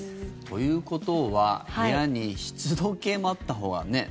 ということは部屋に湿度計もあったほうがね。